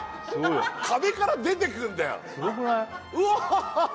壁から出てくんだようわ！